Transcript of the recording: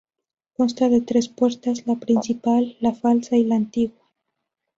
Consta de tres puertas: la principal, la falsa y la antigua.